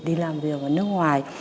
để đi làm việc ở nước ngoài